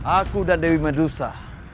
aku dan dewi medusa